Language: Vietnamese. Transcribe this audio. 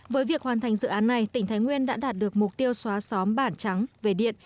với việc hoàn thành dự án này tỉnh thái nguyên đã đạt được mục tiêu xóa xóm bản trắng về điện